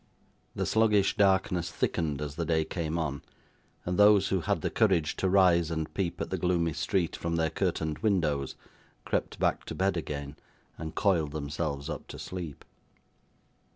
The sluggish darkness thickened as the day came on; and those who had the courage to rise and peep at the gloomy street from their curtained windows, crept back to bed again, and coiled themselves up to sleep.